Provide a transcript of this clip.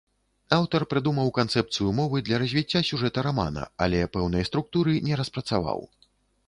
Аўтар прыдумаў канцэпцыю мовы для развіцця сюжэта рамана, але пэўнай структуры не распрацаваў.